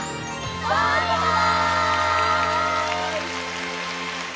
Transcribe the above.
バイバイ！